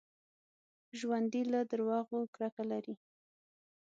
ژوندي له دروغو کرکه لري